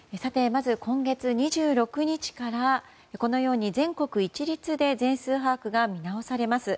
まず今月２６日からこのように全国一律で全数把握が見直されます。